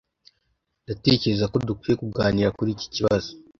Ndatekereza ko dukwiye kuganira kuri iki kibazo.